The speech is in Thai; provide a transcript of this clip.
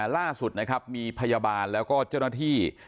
ล่าสุดนะครับมีพยาบาลแล้วก็เจ้าหน้าที่